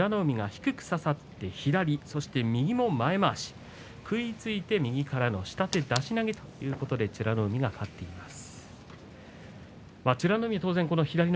その前には美ノ海が深く差し勝って左そして右の前まわし食いついて右からの下手出し投げということで美ノ海が勝っています。